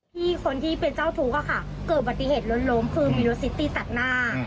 คนที่เป็นเจ้าทุกข์ค่ะเกิดปฏิเหตุล้นล้มคือมีรถซิตี้ตัดหน้า